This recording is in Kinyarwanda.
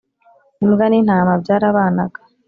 imbwa n'intama byarabanaga,